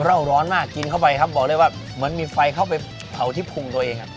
ร้อนมากกินเข้าไปครับบอกเลยว่าเหมือนมีไฟเข้าไปเผาที่พุงตัวเองครับ